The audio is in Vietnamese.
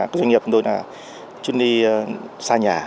các doanh nghiệp của tôi là chuyên đi xa nhà